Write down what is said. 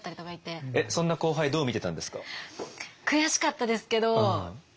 えっそんな後輩どう見てたんですか？